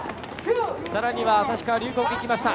さらには旭川龍谷いきました。